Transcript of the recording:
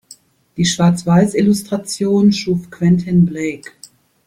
Die Schwarzweiß-Illustrationen schuf Quentin Blake.